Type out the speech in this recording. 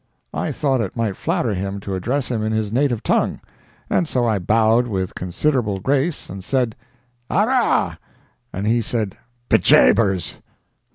I thought it might flatter him to address him in his native tongue, and so I bowed with considerable grace and said: "Arrah!" And he said, "Be jabers!"